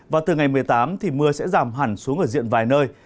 và từ ngày một mươi tám thì mưa sẽ giảm hẳn xuống ở diện vài nơi